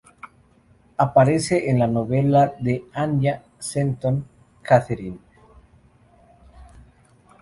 Aparece en la novela de Anya Seton, "Katherine".